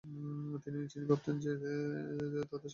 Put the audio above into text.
তিনি ভাবতেন যে তাদের সামরিক বাহিনী দুর্বল।